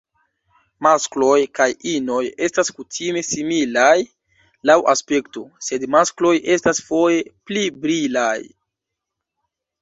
Maskloj kaj inoj estas kutime similaj laŭ aspekto, sed maskloj estas foje pli brilaj.